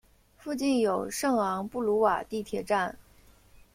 附近有圣昂布鲁瓦地铁站。